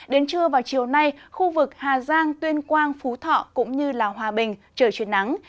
đến trưa vào chiều nay khu vực hà giang tuyên quang phú thọ cũng như lào hòa bình trở truyền nắng